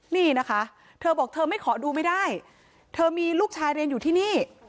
นี่นะคะเธอบอกเธอไม่ขอดูไม่ได้เธอมีลูกชายเรียนอยู่ที่นี่